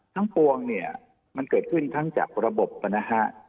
ปวงเนี่ยมันเกิดขึ้นทั้งจากระบบนะฮะ